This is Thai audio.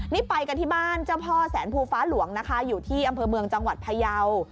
นี่ไปกันที่บ้านเจ้าพ่อแสนภูฟ้าหลวงนะคะอยู่ที่อำเภอเมืองจังหวัดพยาว